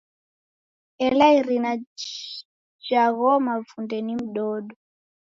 Ela irina ja gho mavunde ni mdodo.